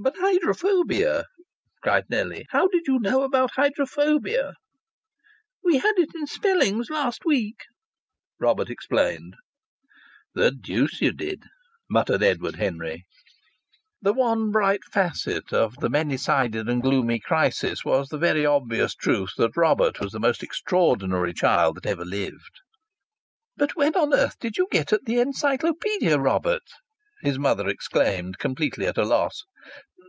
"But hydrophobia!" cried Nellie. "How did you know about hydrophobia?" "We had it in spellings last week," Robert explained. "The deuce you did!" muttered Edward Henry. The one bright facet of the many sided and gloomy crisis was the very obvious truth that Robert was the most extraordinary child that ever lived. "But when on earth did you get at the Encyclopaedia, Robert?" his mother exclaimed, completely at a loss.